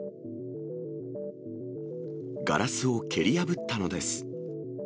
ガラスを蹴り破ったのです。